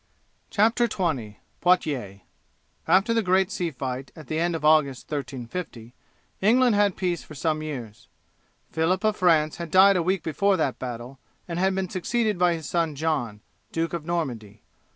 CHAPTER XX: POITIERS After the great sea fight at the end of August, 1350, England had peace for some years. Phillip of France had died a week before that battle, and had been succeeded by his son John, Duke of Normandy.